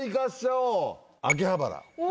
お秋葉原。